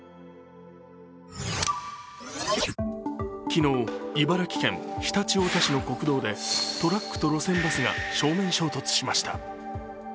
昨日、茨城県常陸太田市の国道でトラックと路線バスが正面衝突しました。